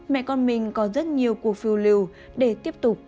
mẹ con mình có rất nhiều cuộc phiêu lưu để tiếp tục